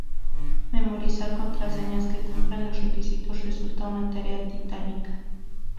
Memorizar contraseñas que cumplan los requisitos resulta una tarea titánica